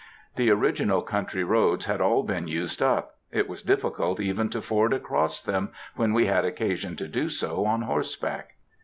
The original country roads had all been used up; it was difficult even to ford across them, when we had occasion to do so, on horseback.